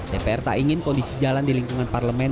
dpr tak ingin kondisi jalan di lingkungan parlemen